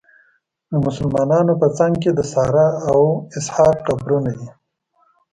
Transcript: د مسلمانانو په څنګ کې د ساره او اسحاق قبرونه دي.